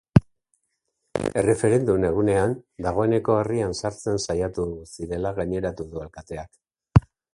Erreferendum egunean dagoeneko herrian sartzen saiatu zirela gaineratu du alkateak.